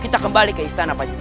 kita kembali ke istana